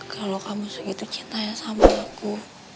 kalau kamu segitu cintanya sama aku